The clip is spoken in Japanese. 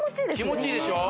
気持ちいいでしょ？